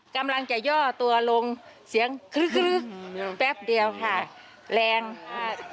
กำลังจะย่อตัวลงเสียงแป๊บเดียวค่ะแรงค่ะ